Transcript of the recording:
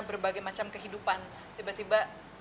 berbagai macam kehidupan tiba tiba